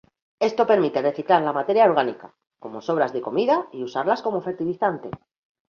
Esto permite reciclar la materia orgánica, como sobras de comida y usarlas como fertilizante.